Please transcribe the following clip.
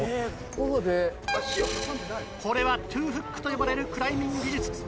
これはトゥーフックと呼ばれるクライミング技術。